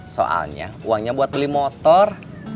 soalnya uangnya buat beli motor